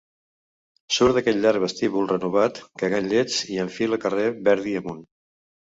Surt d'aquell llarg vestíbul renovat cagant llets i enfila carrer Verdi amunt.